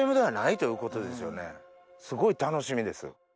すごい楽しみです。